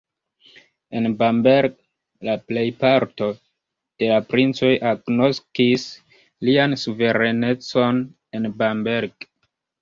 En Bamberg la plejparto de la princoj agnoskis lian suverenecon en Bamberg.